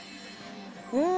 うん！